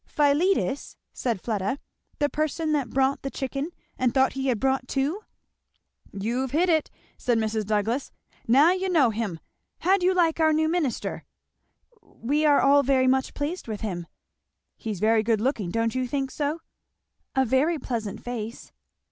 "Philetus!" said Fleda, "the person that brought the chicken and thought he had brought two?" "You've hit it," said Mrs. Douglass. "Now you know him. How do you like our new minister?" "We are all very much pleased with him." "He's very good looking, don't you think so?" "A very pleasant face."